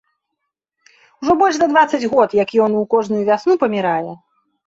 Ужо больш за дваццаць год, як ён у кожную вясну памірае.